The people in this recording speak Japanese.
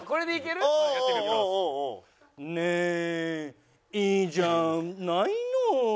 ねえいいじゃないの。